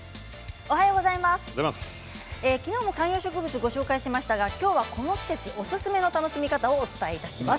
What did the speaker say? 昨日も観葉植物をご紹介しましたが今日はこの季節おすすめの楽しみ方をお伝えします。